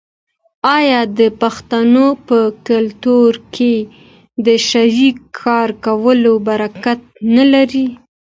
آیا د پښتنو په کلتور کې د شریک کار کول برکت نلري؟